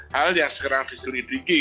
hal yang sekarang diselidiki